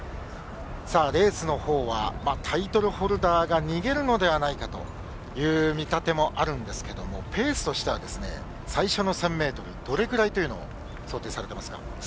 レースのほうはタイトルホルダーが逃げるのではないかという見立てもあるんですけどペースとしては最初の１０００ｍどれぐらいというのを想定されてますか？